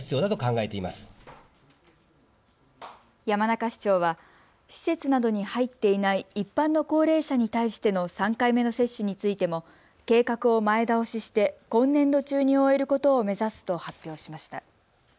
山中市長は施設などに入っていない一般の高齢者に対しての３回目の接種についても計画を前倒しして今年度中に終えることを目指すと発表しました。